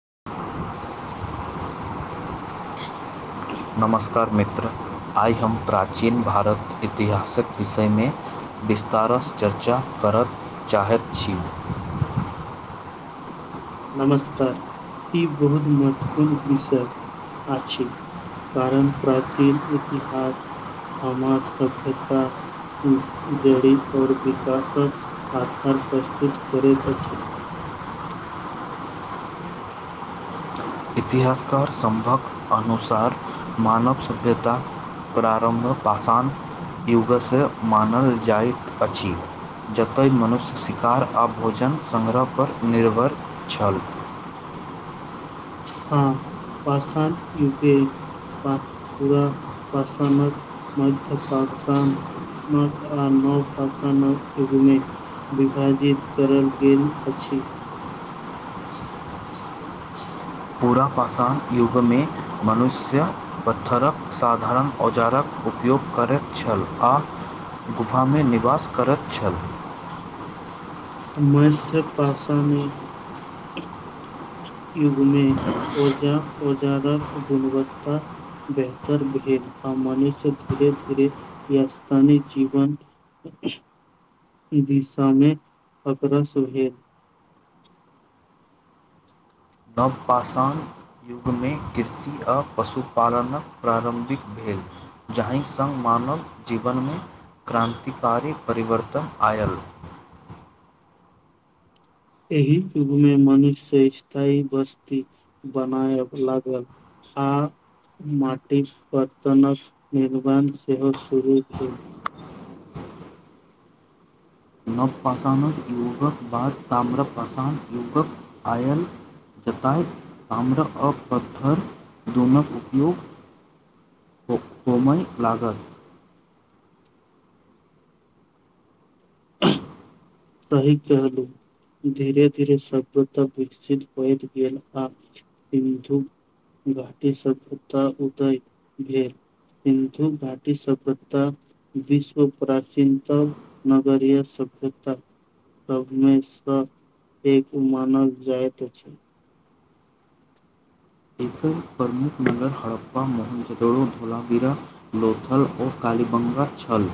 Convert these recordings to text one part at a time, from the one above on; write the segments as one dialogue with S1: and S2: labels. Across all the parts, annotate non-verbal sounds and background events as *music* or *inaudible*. S1: *unintelligible* नमस्कार मित्र आइ हम प्राचीन भारत इतिहासक विषयमे विस्तारसँ चर्चा करय चाहैत छी।
S2: नमस्कार ई बहुत महत्वपूर्ण विषय आ छी। कारण प्राचीन इतिहास हमाज सभ्यता जड़ी और विकासक आधार प्रस्तुत करैत अछि।
S1: इतिहासकार सम्भक अनुसार मानव सभ्यता प्रारम्भ पाशान युगसँ मानल जाइत अछि। जतय मनुष्य शिकार आ भोजन सङ्ग्रहपर निर्भर छल
S2: ह पासान यूके *unintelligible* प पूरा पसानक मध्यपासान न आ न परसा न घुमे विभाजित करल गेल अछि
S1: पूरापाषाण युगमे मनुष्य पत्थरक साधारण औजारक उपयोग करैत छल आ गुफामे निवास करैत छल
S2: मध्यपाषाण युगमे औजारक गुणवत्ता बेहतर भेलैक आ मनुष्य धीरे धीरे य स्थानीय जीवन दिशामें खकरा सुहेल
S1: *inaudible* *unintelligible* नवपाषण युगमे कृषि आ पशुपालनक प्रारम्भिक भेल जाहि सङ्ग मानव जीवनमे क्रान्तिकारी परिवर्तन आयल
S2: एहि युगमे मनुष्य स्थायी बस्ती बनय लागल आँ माटिक बर्तनक निर्माण सेहो शुरू भेल
S1: नव पाषणक युगक बाद ताम्रपाषण युग आयल जताय आम्र आ पत्थर जोनक उपयोग कोमै लागल
S2: सही कहलू धीरे धीेरे सभ्यता विकसित होयत गेल आ सिंधु घाटीसँ भता उदय भेल सिन्धु घाटी सभ्यता विश्व प्राचीनत नगरीय सभ्य मेश एक मानल जायइत छै
S1: एकर प्रमुख नगर हड़प्पा मोहनजोदड़ो धोलाविरा लोथल ओ कालीबंगा छल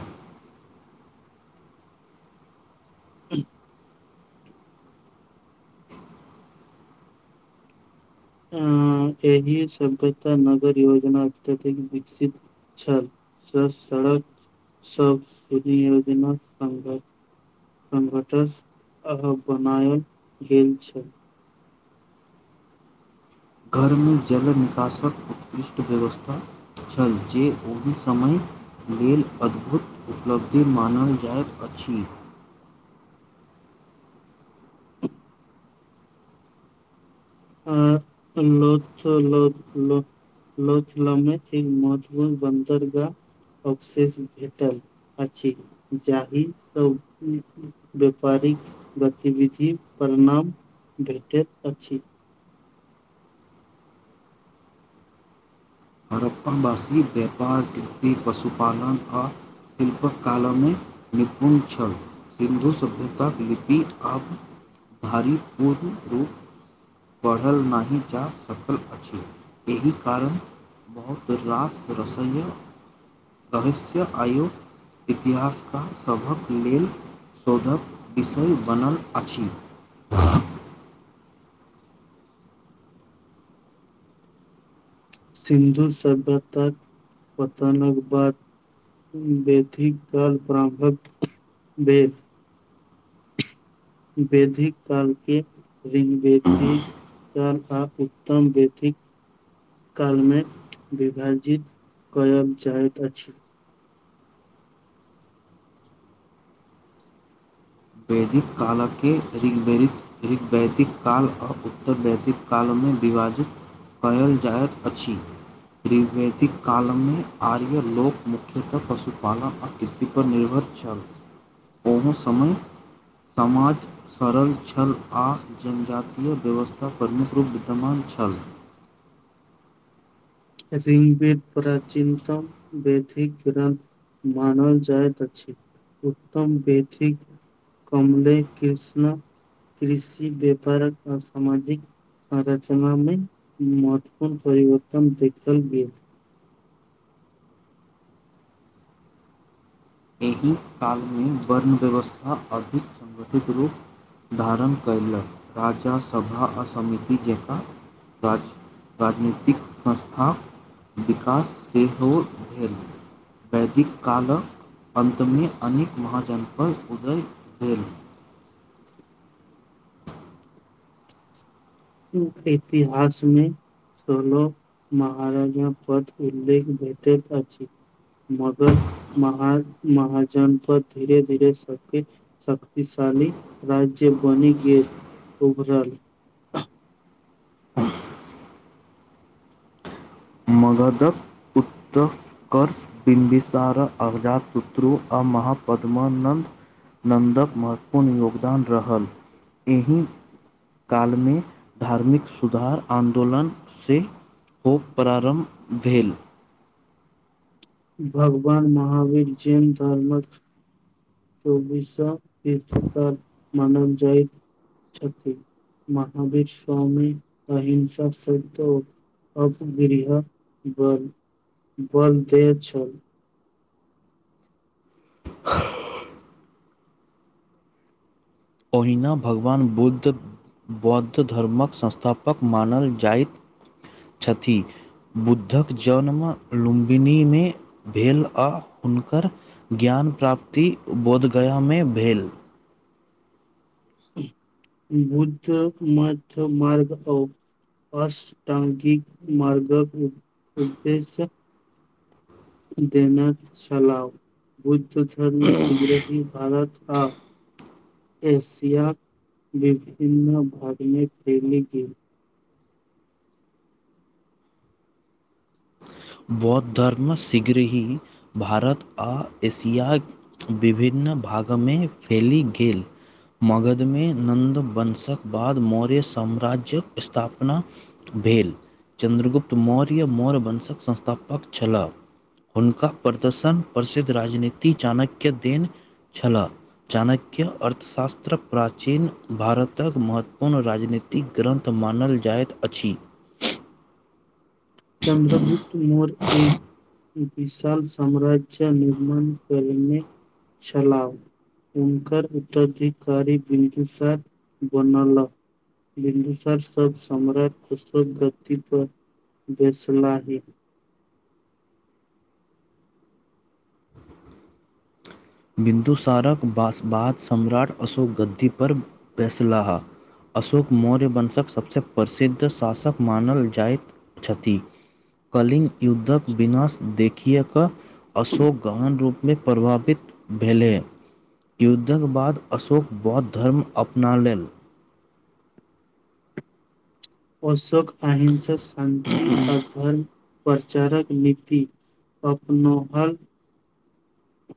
S2: ह्म *unintelligible* ह एहि सभ्यता नगर योजना अत्यधिक विकसित छल स सड़क सब सुधि योजना सघ संघटस अ बनाओल गेल छल
S1: घरमे जल निकासक उत्कृष्ट व्यवस्था छल जे ओहि समय लेल अद्भुत उपलब्धि मानल जाएत अछि
S2: *inaudible* आ लो ल *unintelligible* लोचलमे मजपू बन्दरगाह *unintelligible* अवशेष भेटल अछि जाहि सभ व्यापार अछि गतिविधि परणाम भेटैत अछि
S1: आमबासी व्यापार कृषि पशुपालन और शिल्पक कालोमे निपुण छल सिन्धु सभ्यताक लिपि आब भारीपूर्ण रूप पढ़ल नहि जा सकल अछि एहि कारण बहुत रास रस रहस आयु इतिहासकेँ सभक लेल शोधक विषय बनल अछि
S2: सिन्धु सभ् पतानक बाद बेैथिक काल प्रारंभ भेल वेदिक कालकेँ ऋंग वेदिक चाल आ उत्तम वैथिक कालमे विभाजित कय जाइत अछि
S1: वैदिक कालकेँ ऋगवैदिक काल आ उत्तर वैदिक कालमे विभाजित कयल जाइत अछि त्रिवेदिक कालमे आर्य लोक मुख्यतः पशुपालन आ कृषिपर निर्भर छल ओहो समय समाज सरल छल आ जनजातिय व्यवस्था प्रमुख्य रूप विद्यमान छल
S2: ऋग्वेद प्राचीनतम वेद ग्रंथ मानल जाइत अछि उत्तर वेदिक कमले कृष्ण कृषि व्यापारक अ सामाजिक आरचनामे महत्वपूर्ण परिवर्तन देखल गेल
S1: एहि कालमे वर्ण व्यवस्था अधिक सङ्गठित रूप धारण कयलक राज्य सभा आ समिति जेकाँ राजनीतिक संस्था विक कास सेहो भेल वैदिक कालक अन्तमे अनेक महाजनप उदय भेल
S2: इतिहासमे सोलो महाराजा पद उल्लेख दैत अछि मगध महाजनपद धीरे धीरे शक्ति शक्तिशाली राज्य बनि गेल उभरल
S1: मगधक उतष्कर्ष बिमभिषार अजातशत्रु आ महापद्मनंद न नन्दक महत्वपूर्ण योगदान रहल एहि कालमे धार्मिक सुधार आंन्दोलन से हो प्रारंभ भेल
S2: भगवान महावीर जैन धर्मक चौबिस शीर्षकाल मानव जाय छथि महावीर स्वामी अहिंसा स अपगृहत बल बलदय छल *unintelligible*
S1: ओहिना भगवान बुद्ध बौद्ध धर्मक संस्थापक पक मानल जाइत छथि बुद्धक जन्म लुम्बनीमे भेल आ हुनकर ज्ञान प्राप्ति बोधगयामे भेल *inaudible*
S2: बुद्ध मार्ग अ अष्टांगिक मार्गक उदेशय देना चलाउ बुद्ध धर्म शीघ्रे ही भारत हँ एशिया विभिन्न भागमे खेलीगेल
S1: बौद्ध धर्म शीघ्र ही भारत आ एशिया विभिन्न भागमे फैल गेल मगधमे नन्द वंशक बाद मौर्य साम्राज्य्यक स्थापना भेल चन्द्रगुप्त मौर्य मौर्य वंशक संस्थापक पक छलाह हुनका प्रदर्शन प्रसिद्ध राजनीति चाणक्य देन छलाऽ चाणक्य अर्थशास्त्र प्राचीन भारतक महत्वपूर्ण राजनीतिक ग्रन्थमे मानल जाइत अछि
S2: चन्द्रभुप्त म एक विशाल साम्राज्य निर्माण करने चलाउ उनकर उत्तराधिकारी बिन्दुसार बनला बिन्दुसार सब सम्राट भसलाही
S1: बिन्दुसारक बाद सम्राट अशोक गद्दी पर बैसलाह अशोक मौर्यवंशक सबसे प्रसिद्ध शासक मानल जाइत छथि कलिंग युद्धके विनाश देखिकेऽ अशोक गहन रूपमे प्रभावित भेलै युद्धक बाद अशोक बौद्ध धर्म अपना लेल
S2: अशोक अहिंसा शान्ति अधर्म प्रचारक नीति अपनौलनि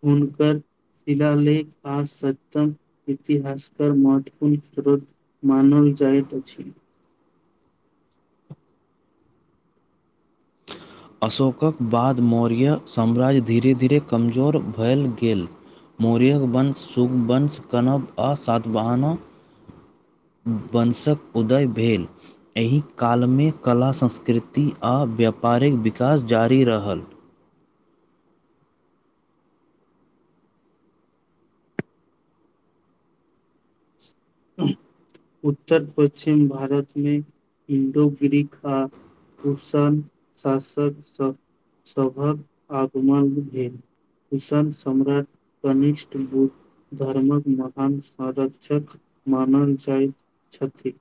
S2: हुनकर शिलालेख आ सत्तम इतिहासकार महत्वपूर्ण स्रोत मानल जाइत अछि
S1: अशोकक बाद मौर्य साम्राज्य धीरे धीरे कमजोर भैल गेल मौर्य वंश शुंग वंश कणब आ सातवाहान वंशक उदय भेल एहि कालमे कला संस्कृति आ व्यापार पारिक विकास जारी रहल
S2: उत्तर पश्चिम भारतमे हिन्दू ग्रीक आ कुसान शासक सभ सभक आगमन भेल किसान सम्राट कनिष्ठ बुद्ध धर्मक महान संरक्षक मानल जाइत छथि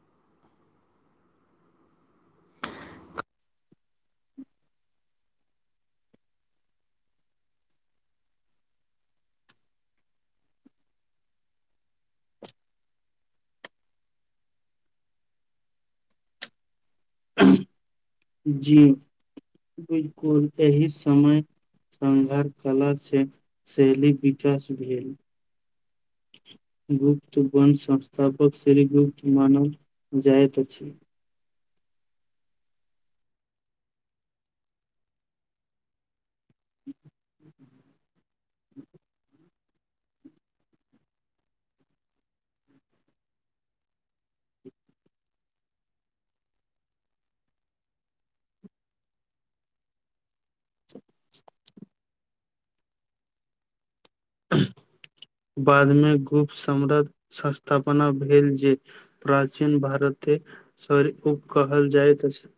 S1: *inaudible*
S2: जी बिल्कुल एहि समय संघार कला से शैली विकास भेल गुप्त वंशक संस्थापक श्रीगुप्त मानल जाएत अछि *inaudible* *inaudible* बादमे गुप्त सम्राट अस्थापना भेल जे प्राचीन भारत त सरी उब कहल जाइत छै